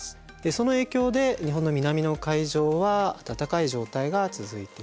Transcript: その影響で日本の南の海上は暖かい状態が続いています。